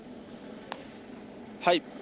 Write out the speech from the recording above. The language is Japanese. はい。